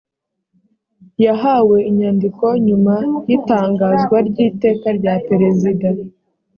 yahawe inyandiko nyuma y’itangazwa ry’iteka rya perezida